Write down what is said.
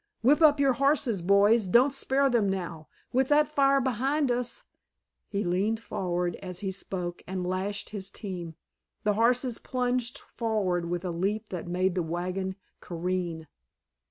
Whip up your horses, boys, don't spare them now! With that fire behind us——" He leaned forward as he spoke and lashed his team; the horses plunged forward with a leap that made the wagon careen.